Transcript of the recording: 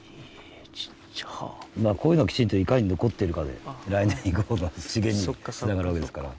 こういうのがきちんといかに残っているかで来年以降の資源につながるわけですから。